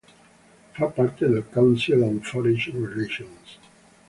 Fa parte del "Council on Foreign Relations".